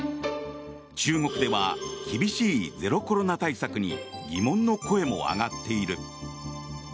中国では厳しいゼロコロナ対策に疑問の声も上がっている。